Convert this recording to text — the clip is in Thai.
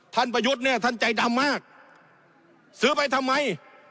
ประยุทธ์เนี่ยท่านใจดำมากซื้อไปทำไม